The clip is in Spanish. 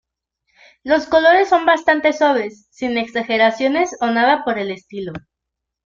Los colores son bastante suaves, sin exageraciones o nada por el estilo.